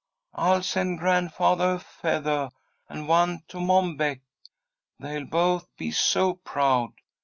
"I'll send grandfathah a feathah, and one to Mom Beck. They'll both be so proud.